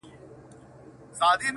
o ښکلا پر سپینه غاړه ,